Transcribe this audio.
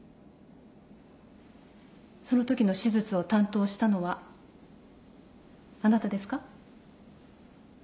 そのときの手術を担当したのはあなたですか？